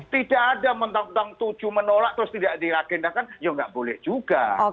tidak ada menolak terus tidak diagedakan ya tidak boleh juga